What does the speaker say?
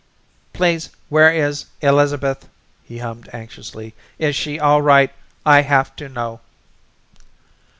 "Please, where is Elizabeth?" he hummed anxiously. "Is she all right? I have to know."